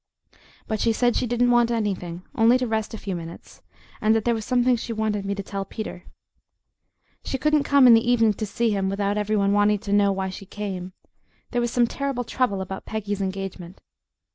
But she said she didn't want anything, only to rest a few minutes, and that there was something she wanted me to tell Peter. She couldn't come in the evening to see him without every one wanting to know why she came. There was some terrible trouble about Peggy's engagement.